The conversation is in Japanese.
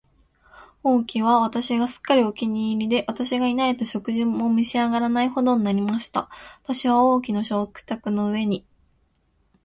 王妃は私がすっかりお気に入りで、私がいないと食事も召し上らないほどになりました。私は王妃の食卓の上に、